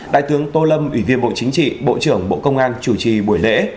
đại tướng tô lâm ủy viên bộ chính trị bộ trưởng bộ công an chủ trì buổi lễ